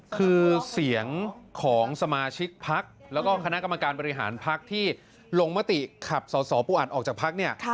คือเสียงของสมาชิกพักแล้วก็คณะกรรมการบริหารพักที่ลงมติขับสสปูอัดออกจากพักเนี่ย